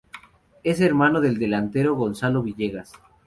Es hermano del delantero Gonzalo Villegas.